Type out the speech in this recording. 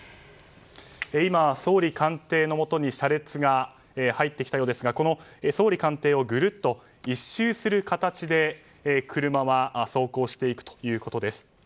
今、総理官邸のもとに車列が入ってきたようですがこの総理官邸をぐるっと１周する形で車は走行していくということです。